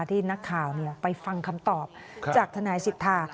ที่นักข่าวไปฟังคำตอบจากทนายสิทธา